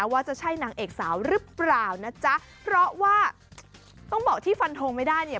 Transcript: ว่าจะใช่นางเอกสาวหรือเปล่านะจ๊ะเพราะว่าต้องบอกที่ฟันทงไม่ได้เนี่ย